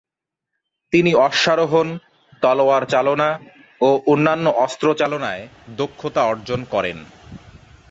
তিনি অশ্বারোহণ, তলোয়ার চালনা ও অন্যান্য অস্ত্রচালনায় দক্ষতা অর্জন করেন।